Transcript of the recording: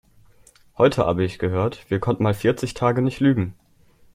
Heute habe ich gehört, wir könnten mal vierzig Tage nicht lügen.